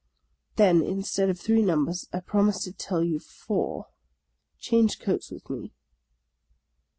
" Then instead of three numbers I promise to tell you four. Change coats with me."